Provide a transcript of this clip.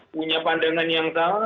punya pandangan yang sama